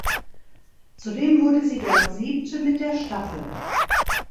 Zudem wurde sie dort Siebte mit der Staffel.